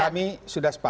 kami sudah sepakat